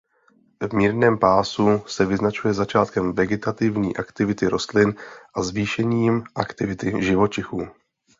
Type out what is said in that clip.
V mírném pásu se vyznačuje začátkem vegetativní aktivity rostlin a zvýšením aktivity živočichů.